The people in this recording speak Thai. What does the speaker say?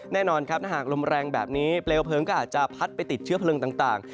แน่นอนครับถ้าหากลมแรงแบบนี้เปลวเพลิงก็อาจจะพัดไปติดเชื้อเพลิงต่าง